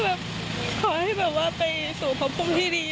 ก็แบบขอให้แบบว่าไปสวบของผมที่ดี